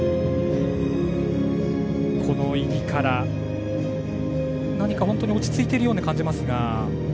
この入りから、何か本当に落ち着いているように感じますが。